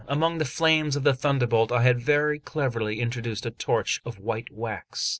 Among the flames of the thunderbolt I had very cleverly introduced a torch of white wax.